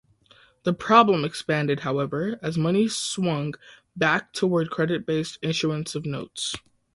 The problem expanded, however, as money swung back toward credit-based issuance of notes.